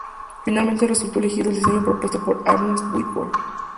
Finalmente resultó elegido el diseño propuesto por Armstrong Whitworth.